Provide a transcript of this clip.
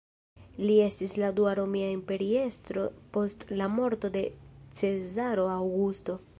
Li estis la dua romia imperiestro post la morto de Cezaro Aŭgusto.